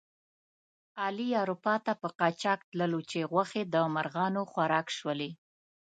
علي اروپا ته په قاچاق تللو چې غوښې د مرغانو خوراک شولې.